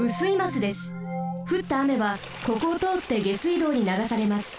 ふったあめはここをとおって下水道にながされます。